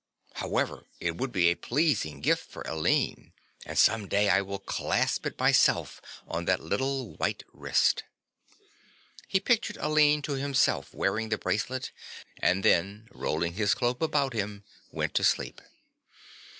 However, it would be a pleasing gift for Aline, and some day I will clasp it myself on that little white wrist." He pictured Aline to himself wearing the bracelet and then rolling his cloak about him went to sleep.